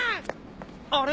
あれ？